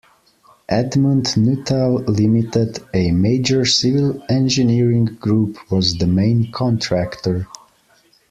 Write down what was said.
Edmund Nuttall Limited, a major civil engineering group, was the main contractor.